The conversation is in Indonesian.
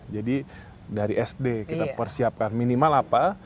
jadi dari sd kita persiapkan minimal apa